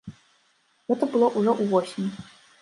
Гэта было ўжо ўвосень.